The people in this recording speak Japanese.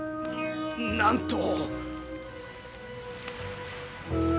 なんと！